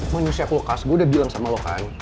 manusia kulkas gue udah bilang sama lo kan